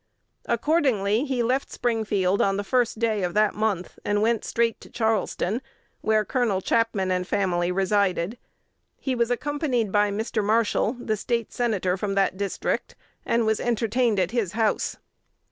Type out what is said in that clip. Accordingly, he left Springfield on the first day of that month, and went straight to Charleston, where Col. Chapman and family resided. He was accompanied by Mr. Marshall, the State Senator from that district, and was entertained at his house.